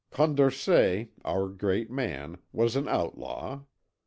Condorcet, our great man, was an outlaw.